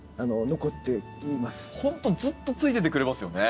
ほんとずっとついててくれますよね。